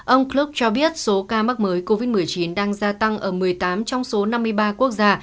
ông chlock cho biết số ca mắc mới covid một mươi chín đang gia tăng ở một mươi tám trong số năm mươi ba quốc gia